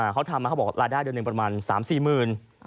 เขาทำมาเขาบอกรายได้เดือนหนึ่งประมาณ๓๔หมื่น